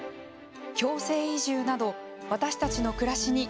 強制移住など私たちの暮らしに。